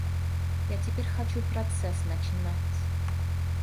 Я теперь хочу процесс начинать.